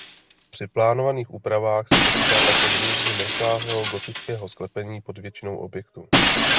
Při plánovaných úpravách se počítá také s využitím rozsáhlého gotického sklepení pod většinou objektu.